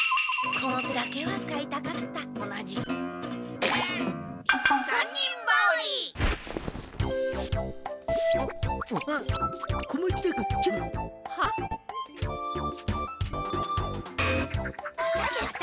この手だけは使いたくなかった。